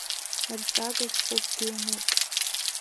Рҵага шәҟәыкгьы иануп.